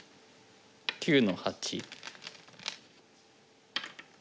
９の八。